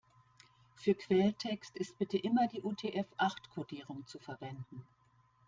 Für Quelltext ist bitte immer die UTF-acht-Kodierung zu verwenden.